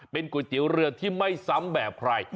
เป็นก๋วยเตี๋ยวเรือที่ไม่ซ้ำแบบใคร